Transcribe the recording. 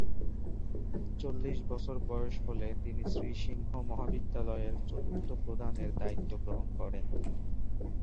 চল্লিশ বছর বয়স হলে তিনি শ্রী সিংহ মহাবিদ্যালয়ের চতুর্থ প্রধানের দায়িত্ব গ্রহণ করেন।